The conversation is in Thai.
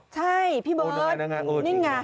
ใช่พี่เบิร์ตนี่ไง